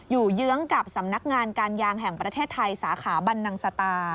เยื้องกับสำนักงานการยางแห่งประเทศไทยสาขาบันนังสตา